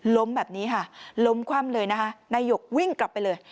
ล้มแบบนี้ค่ะล้มคว่ำเลยนะคะนายหยกวิ่งกลับไปเลย